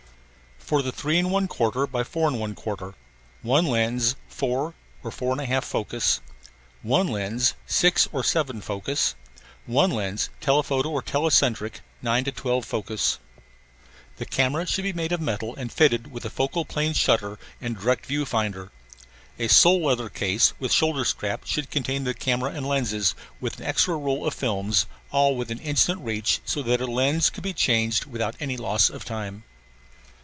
For the 3 1/4 x 4 1/4: One lens 4 or 4 1/2 focus One lens 6 or 7 focus One lens telephoto or telecentric 9 to 12 focus The camera should be made of metal and fitted with focal plane shutter and direct view finder. A sole leather case with shoulder strap should contain the camera and lenses, with an extra roll of films, all within instant reach, so that a lens could be changed without any loss of time.